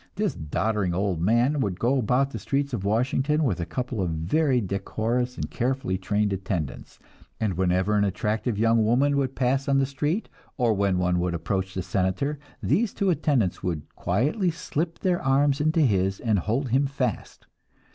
This doddering old man would go about the streets of Washington with a couple of very decorous and carefully trained attendants; and whenever an attractive young woman would pass on the street, or when one would approach the Senator, these two attendants would quietly slip their arms into his and hold him fast.